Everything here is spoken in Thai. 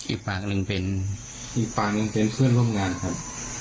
อีกภาคหนึ่งเป็นเพื่อนร่วมงานครับ